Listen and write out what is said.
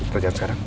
kita jalan sekarang